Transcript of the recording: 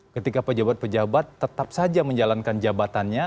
ketika pejabat pejabat tetap saja menjalankan jabatannya